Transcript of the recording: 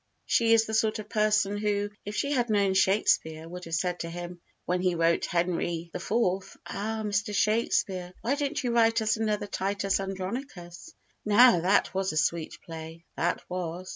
She is the sort of person who if she had known Shakespeare would have said to him, when he wrote Henry the IVth: "Ah, Mr. Shakespeare, why don't you write us another Titus Andronicus? Now that was a sweet play, that was."